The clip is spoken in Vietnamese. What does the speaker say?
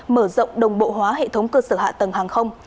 mở rộng đồng bộ hóa hệ thống cơ sở hạ tầng hàng không